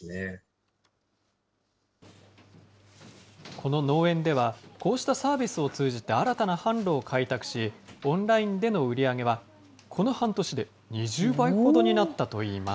この農園では、こうしたサービスを通じて新たな販路を開拓し、オンラインでの売り上げは、この半年で２０倍ほどになったといいます。